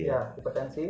ya ada tensi